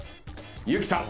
結木さん。